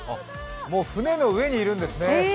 もう船の上にいるんですね。